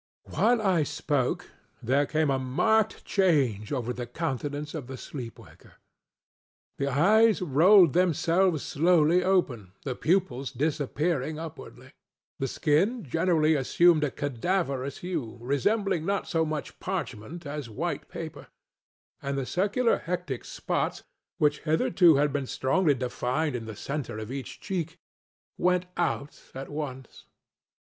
While I spoke, there came a marked change over the countenance of the sleep waker. The eyes rolled themselves slowly open, the pupils disappearing upwardly; the skin generally assumed a cadaverous hue, resembling not so much parchment as white paper; and the circular hectic spots which, hitherto, had been strongly defined in the centre of each cheek, went out at once.